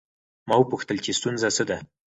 ما وپوښتل چې ستونزه څه ده؟